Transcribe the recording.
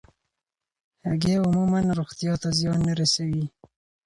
هګۍ عموماً روغتیا ته زیان نه رسوي.